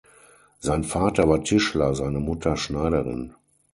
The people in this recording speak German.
Sein Vater war Tischler, seine Mutter Schneiderin.